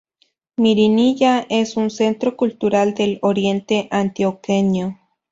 Marinilla es un centro cultural del oriente antioqueño.